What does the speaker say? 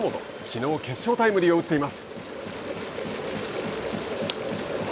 きのう決勝タイムリーを打っています。